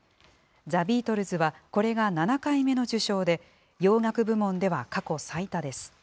ザ・ビートルズはこれが７回目の受賞で、洋楽部門では過去最多です。